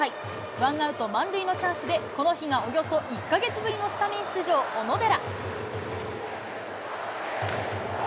ワンアウト満塁のチャンスで、この日がおよそ１か月ぶりのスタメン出場、小野寺。